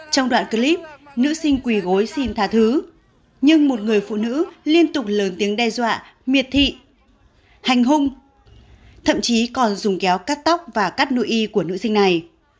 trong đoạn clip nữ sinh quỳ gối xin tha thứ nhưng một người phụ nữ liên tục lớn tiếng đe dọa miệt thị hành hung thậm chí còn dùng kéo cắt tóc và cắt nui của nữ sinh này